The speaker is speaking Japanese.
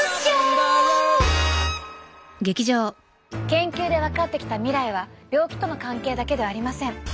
研究で分かってきた未来は病気との関係だけではありません。